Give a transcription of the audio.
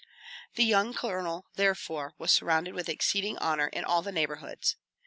The young colonel, therefore, was surrounded with exceeding honor in all the neighborhoods.